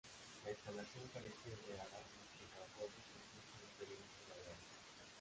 La instalación carecía de alarmas contra robos o incluso un perímetro vallado.